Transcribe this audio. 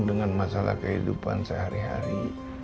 dengan masalah kehidupan sehari hari